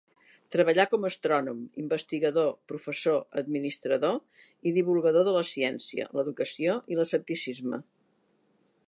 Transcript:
Treballà com astrònom investigador, professor, administrador i divulgador de la ciència, l'educació i l'escepticisme.